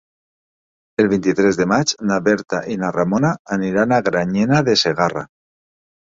El vint-i-tres de maig na Berta i na Ramona aniran a Granyena de Segarra.